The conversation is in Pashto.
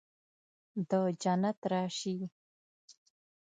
د جنت راشي